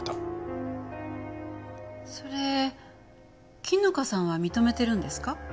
それ絹香さんは認めてるんですか？